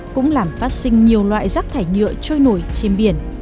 cũng làm phát sinh nhiều loại rác thải nhựa trôi nổi trên biển